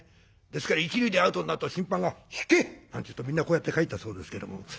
ですから一塁でアウトになると審判が「ひけ！」なんて言うとみんなこうやって帰ったそうですけども。